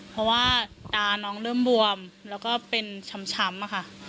เพราะว่าตาน้องเริ่มบวมแล้วก็เป็นช้ำค่ะ